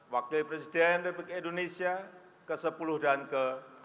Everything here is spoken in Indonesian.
wakil presiden republik indonesia ke sepuluh dan ke empat belas